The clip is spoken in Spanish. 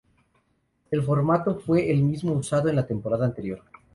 El formato fue el mismo usado en la temporada anterior.